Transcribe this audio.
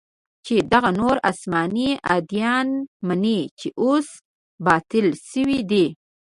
چې دغه نور اسماني اديان مني چې اوس باطل سوي دي.